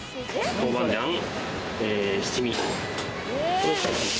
豆板醤、七味と。